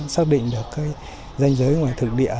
xác định được danh giới ngoài thực địa